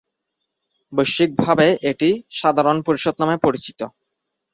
বৈশ্বিকভাবে এটি সাধারণ পরিষদ নামে পরিচিত।